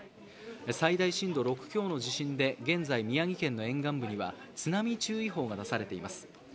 最大震度６強の地震で現在、宮城県の沿岸部には津波注意報が出されています。